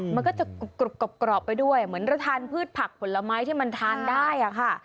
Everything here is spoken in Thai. มันก็จะกรุบกรอบไปด้วยเหมือนเราทานพืชผักผลไม้ที่มันทานได้อะค่ะ